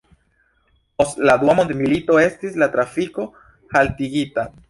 Post la Dua mondmilito estis la trafiko haltigita.